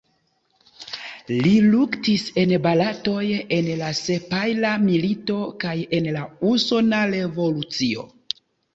Li luktis en bataloj en la Sepjara milito kaj en la Usona revolucio.